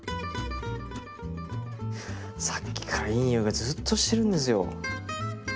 さっきからいい匂いがずうっとしてるんですよ。